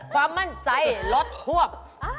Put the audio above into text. ความมั่นใจลดควบ